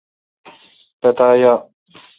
پتا یا۔